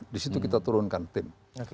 di situ kita turunkan tim